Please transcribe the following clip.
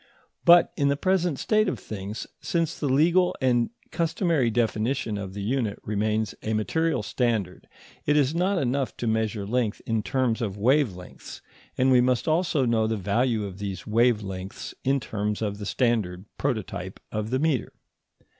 But in the present state of things, since the legal and customary definition of the unit remains a material standard, it is not enough to measure length in terms of wave lengths, and we must also know the value of these wave lengths in terms of the standard prototype of the metre.